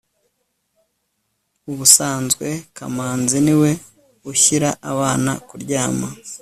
ubusanzwe kamanzi niwe ushyira abana kuryama